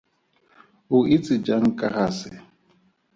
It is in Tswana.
O itse jang ka ga se?